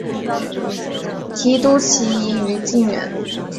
提督旗移于靖远。